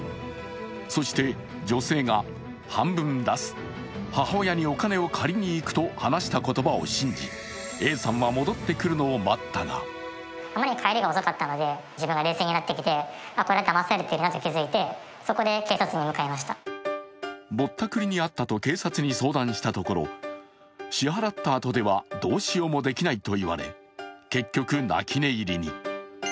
そして、女性が半分出す母親にお金を借りに行くと話した言葉を信じ、Ａさんが戻ってくるのを待ったがぼったくりに遭ったと警察に相談したところ支払ったあとではどうしようもできないと言われ結局、泣き寝入りに。